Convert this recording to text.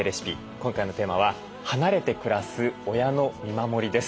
今回のテーマは離れて暮らす親の見守りです。